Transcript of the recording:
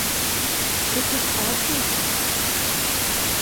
Дык от ад яе!